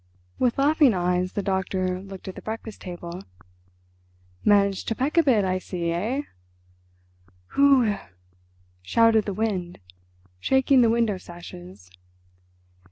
With laughing eyes the doctor looked at the breakfast table. "Managed to peck a bit, I see, eh?" "Hoo wih!" shouted the wind, shaking the window sashes.